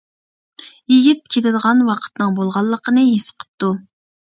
يىگىت كېتىدىغان ۋاقتىنىڭ بولغانلىقىنى ھېس قىپتۇ.